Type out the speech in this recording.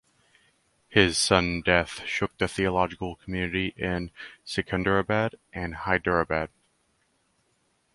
His sudden death shook the theological community in Secunderabad and Hyderabad.